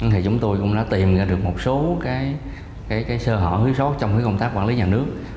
thì chúng tôi cũng đã tìm ra được một số cái sơ hở thiếu sót trong công tác quản lý nhà nước